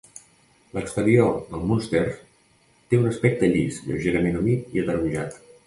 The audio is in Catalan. L'exterior del Munster té un aspecte llis, lleugerament humit i ataronjat.